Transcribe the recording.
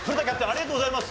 ありがとうございます。